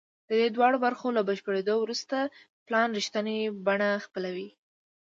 د دې دواړو برخو له بشپړېدو وروسته پلان رښتینې بڼه خپلوي